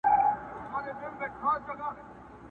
سیال له سیال له سره ملګری ښه ښکارېږي!.